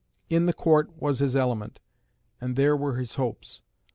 In the Court was his element, and there were his hopes.